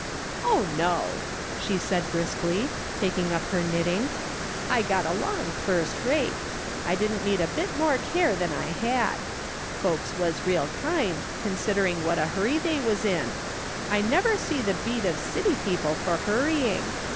" Oh no," she said briskly, taking up her knitting ;" I got along first rate ; I didn't need a bit more care than I had. Folks was real kind, considering what a hurry they was in. I never see the beat of city people for hurrying